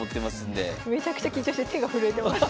めちゃくちゃ緊張して手が震えてます。